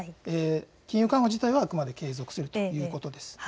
金融緩和自体はあくまで継続するということです。